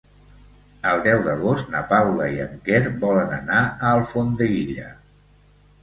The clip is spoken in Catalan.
El deu d'agost na Paula i en Quer volen anar a Alfondeguilla.